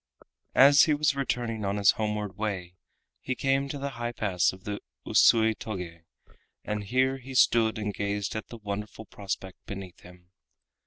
As he was returning on his homeward way he came to the high pass of the Usui Toge, and here he stood and gazed at the wonderful prospect beneath him.